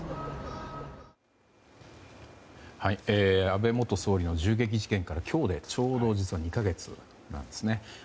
安倍元総理の銃撃事件から今日でちょうど実は２か月なんですね。